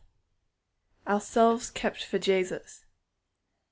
Our Selves kept for Jesus.